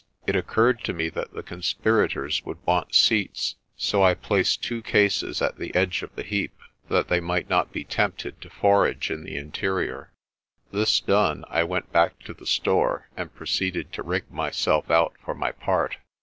It occurred to me that the conspirators would want seats, so I placed two cases at the edge of the heap, that they might not be tempted to forage in the interior. This done, I went back to the store and proceeded to rig myself out for my part.